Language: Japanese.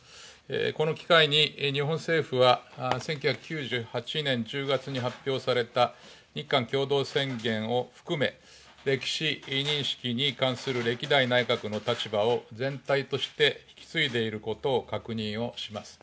この機会に日本政府は１９９８年１０月に発表された日韓共同宣言を含め歴史認識に関する歴代内閣の立場を全体として引き継いでいることを確認をします。